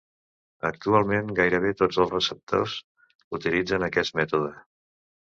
Actualment, gairebé tots els receptors utilitzen aquest mètode.